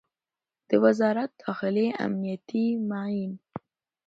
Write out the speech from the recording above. د وزارت داخلې امنیتي معین